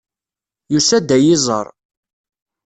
Yusa-d ad iyi-iẓer.